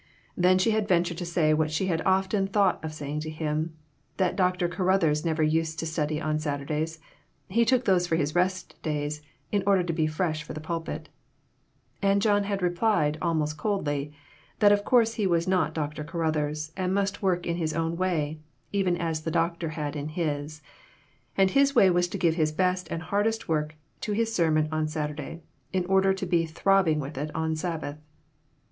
Then she had ventured to say what she had often thought of saying to him, that Dr. Caruthers never used to study on Saturdays ; he took those for his rest days in order to be fresh for the pulpit. And John had replied, almost coldly, that of course he was not Dr. Caruthers, and must work in his own way, even as the Doctor had in his ; and his way was to give his best and hardest work to his sermon on Saturday, in order to be throb ing with it on Sabbath.